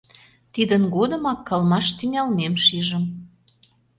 Тидын годымак кылмаш тӱҥалмем шижым.